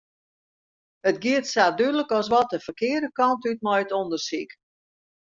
It giet sa dúdlik as wat de ferkearde kant út mei it ûndersyk.